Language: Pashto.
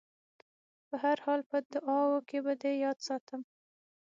په هر حال په دعاوو کې به دې تل یاد ساتم.